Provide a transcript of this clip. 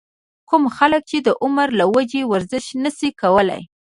کوم خلک چې د عمر له وجې ورزش نشي کولے